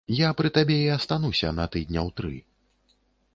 Я пры табе і астануся на тыдняў тры.